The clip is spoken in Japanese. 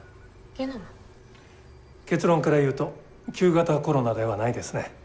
結論から言うと旧型コロナではないですね。